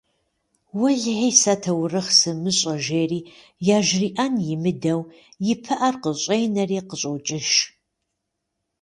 Уэлэхьи, сэ таурыхъ сымыщӏэ, - жери, яжриӏэн имыдэу, и пыӏэр къыщӏенэри къыщӏокӏыж.